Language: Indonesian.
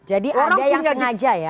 jadi ada yang sengaja ya